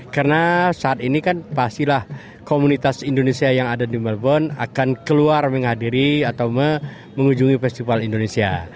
karena saat ini kan pastilah komunitas indonesia yang ada di melbourne akan keluar menghadiri atau mengunjungi festival indonesia